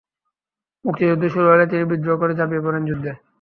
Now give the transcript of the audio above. মুক্তিযুদ্ধ শুরু হলে তিনি বিদ্রোহ করে ঝাঁপিয়ে পড়েন যুদ্ধে।